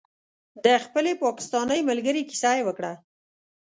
د خپلې پاکستانۍ ملګرې کیسه یې وکړه.